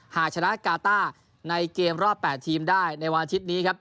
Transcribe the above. หากชนะกาต้าในเกมรอบ๘ทีมได้ในวันอาทิตย์นี้ครับ